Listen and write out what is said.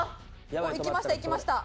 おおいきましたいきました。